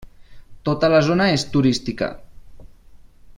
Tota la zona és turística.